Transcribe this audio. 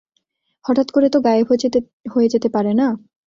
হঠাত করে তো গায়েব হয়ে যেতে পারে না!